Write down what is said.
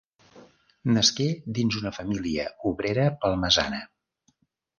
Nasqué dins una família obrera palmesana.